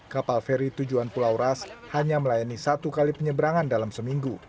kapal feri tujuan pulau ras hanya melayani satu kali penyeberangan dalam seminggu